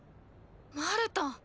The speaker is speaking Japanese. マルタン。